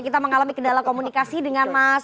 kita mengalami kendala komunikasi dengan mas